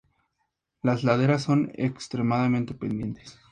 Las laderas son extremadamente pendientes.